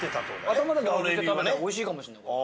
頭だけ外して食べたらおいしいかもしんないこれ。